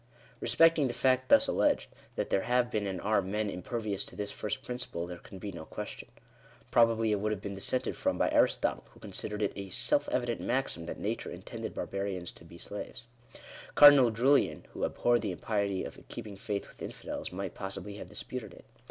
Bespecting the fact thus alleged, that there have been, and are, men impervious to this first principle, there can be no question. Probably it would have been dissented from by Digitized by VjOOQIC s 104 FIRST PRINCIPLE. Aristotle, who considered it a " self evident maxim that nature intended barbarians to be slaves." Cardinal Julian, who " ab horred the impiety of keeping faith with infidels/' might pos sibly have disputed it.